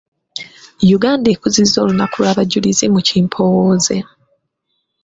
Uganda ekuzizza olunaku lw’Abajulizi mu kimpoowooze.